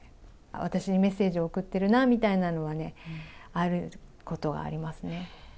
私にメッセージ送ってるなみたいなのはね、あることがありますね。